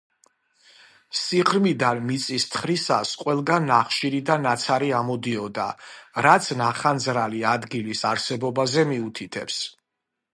სიღრმიდან მიწის თხრისას ყველგან ნახშირი და ნაცარი ამოდიოდა, რაც ნახანძრალი ადგილის არსებობაზე მიუთითებს.